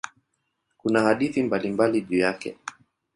Kuna hadithi mbalimbali juu yake.